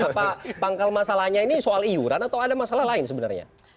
apa pangkal masalahnya ini soal iuran atau ada masalah lain sebenarnya